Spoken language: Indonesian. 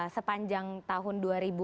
sepanjang tahun dua ribu dua puluh